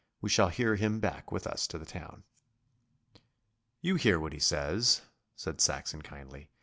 We shall hear him back with us to the town.' 'You hear what he says,' said Saxon kindly.